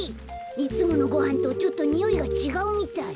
いつものごはんとちょっとにおいがちがうみたい。